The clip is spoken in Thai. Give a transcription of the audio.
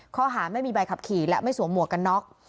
ข้อหาไม่มีใบขับขี่และไม่สวมหมวกกันน็อก